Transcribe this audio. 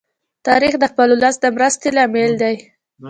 تاریخ د خپل ولس د مرستی لامل دی.